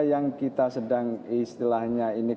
yang kita sedang istilahnya ini